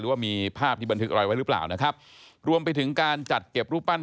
ว่ามีภาพที่บันทึกอะไรไว้หรือเปล่านะครับรวมไปถึงการจัดเก็บรูปปั้น